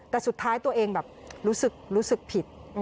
แต่สุดท้ายตัวเองแบบรู้สึกผิด